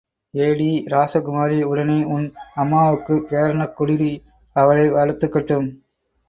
ஏடீ... ராசகுமாரி... உடனே ஒன் அம்மாவுக்குப் பேரனக் குடுடி அவளே வளர்த்துக்கட்டும்.